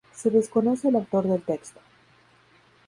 Se desconoce el autor del texto.